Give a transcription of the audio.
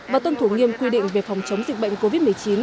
và tuân thủ nghiêm quy định về phòng chống dịch bệnh covid một mươi chín